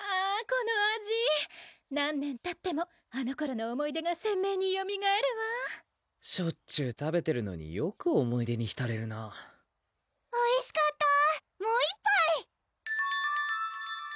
この味何年たってもあのころの思い出が鮮明によみがえるわぁしょっちゅう食べてるのによく思い出にひたれるなおいしかったもう一杯！